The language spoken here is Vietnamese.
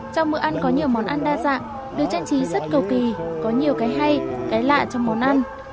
trong bữa ăn có nhiều món ăn đa dạng được trang trí rất cầu kỳ có nhiều cái hay cái lạ trong món ăn